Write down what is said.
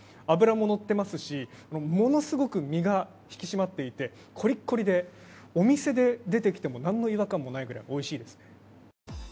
脂も乗ってますし、ものすごく身が引き締まっていてコリッコリで、お店で出てきても何も違和感もないくらいおいしいです。